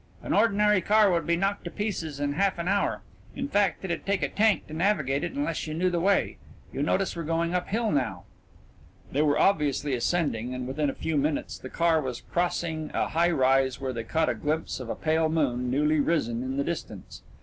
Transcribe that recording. An ordinary car would be knocked to pieces in half an hour. In fact, it'd take a tank to navigate it unless you knew the way. You notice we're going uphill now." They were obviously ascending, and within a few minutes the car was crossing a high rise, where they caught a glimpse of a pale moon newly risen in the distance.